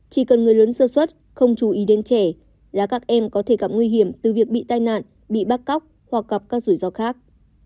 chỉ cần người lớn sơ xuất không chú ý đến trẻ là các em có thể gặp nguy hiểm từ việc bị tai nạn bị bắt cóc hoặc gặp các rủi ro khác